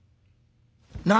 「何！？